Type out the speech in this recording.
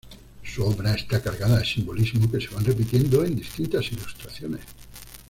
Su obra está cargada de simbolismo que se van repitiendo en distintas ilustraciones.